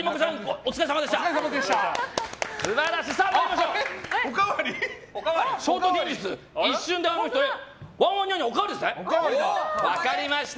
お疲れさまでした。